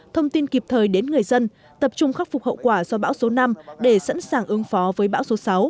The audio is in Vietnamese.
thông tin kịp thời đến người dân tập trung khắc phục hậu quả do bão số năm để sẵn sàng ứng phó với bão số sáu